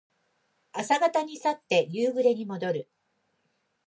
朝方に去って夕暮れにもどる。